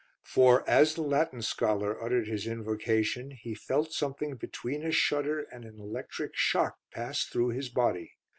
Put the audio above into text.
For as the Latin scholar uttered his invocation he felt something between a shudder and an electric shock pass through his body.